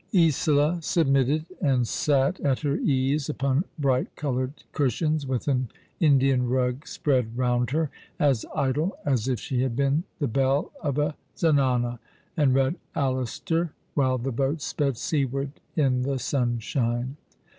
Isola submitted, and sat at her ease upon bright coloured cushions with an Indian rug spread round her, as idle as if she had been the belle of a Zenana, and read Alastor while the boat sped seaward in the sunshine.